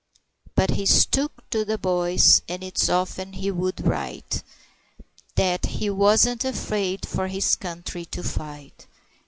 But he stuck to the boys, and it's often he would write, That "he wasn't afraid for his country to fight."